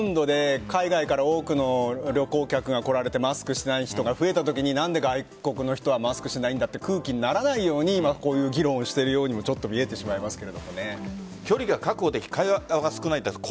これからインバウンドで海外から多くの旅行客が来られてマスクしていない人が増えたときに何で外国の人はマスクしないんだという空気にならないようにこういう議論をしているようにも見えてしまいますけどね。